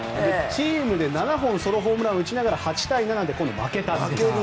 チームで７本ソロホームランを打ちながら８対７で負けた。